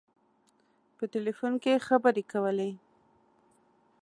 په ټلفون کې خبري کولې.